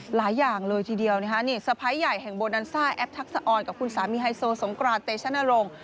หลายอย่างเลยทีเดียวนะคะนี่สะพ้ายใหญ่แห่งโบดันซ่าแอปทักษะออนกับคุณสามีไฮโซสงกรานเตชนรงค์